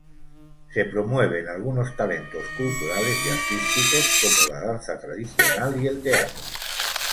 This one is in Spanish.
Se promueven algunos talentos culturales y artísticos como la danza tradicional y el teatro.